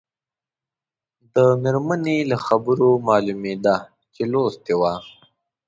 د مېرمنې له خبرو معلومېده چې لوستې وه.